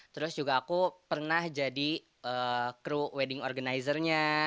terus juga aku pernah jadi kru wedding organizer nya